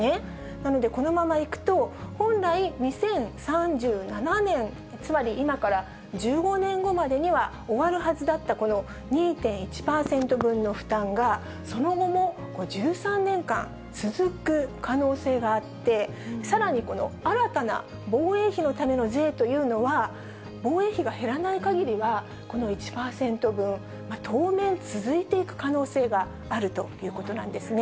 なので、このままいくと、本来、２０３７年、つまり今から１５年後までには終わるはずだったこの２．１％分の負担が、その後も１３年間、続く可能性があって、さらに、この新たな防衛費のための税というのは、防衛費が減らないかぎりは、この１％分、当面続いていく可能性があるということなんですね。